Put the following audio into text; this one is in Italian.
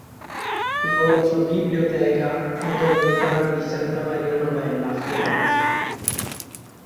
Donò la sua biblioteca ai domenicani di Santa Maria Novella a Firenze.